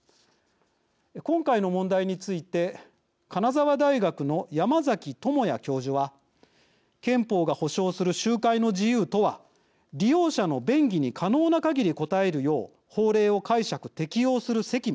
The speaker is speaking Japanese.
今回の問題について金沢大学の山崎友也教授は憲法が保障する集会の自由とは利用者の便宜に可能なかぎり応えるよう法令を解釈・適用する責務